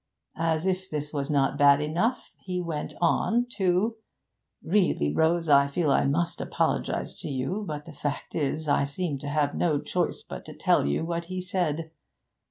As if this was not bad enough, he went on to really, Rose, I feel I must apologise to you, but the fact is I seem to have no choice but to tell you what he said.